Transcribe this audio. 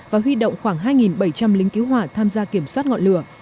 và huy động khoảng hai bảy trăm linh lính cứu hỏa tham gia kiểm soát ngọn lửa